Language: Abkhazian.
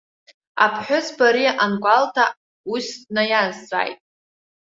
Аԥҳәызба ари ангәалҭа, ус днаиазҵааит.